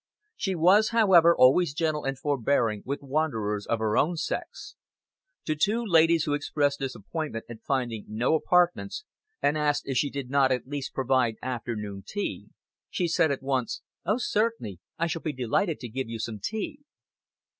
She was, however, always gentle and forbearing with wanderers of her own sex. To two ladies who expressed disappointment at finding no apartments and asked if she did not at least provide afternoon tea, she said at once, "Oh, certainly, I shall be delighted to give you some tea."